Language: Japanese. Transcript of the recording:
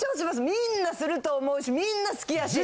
みんなすると思うしみんな好きやし。